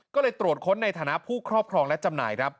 ก็เลยตรวจค้นในฐานะผู้ครอบครองและจำหน่ายครับ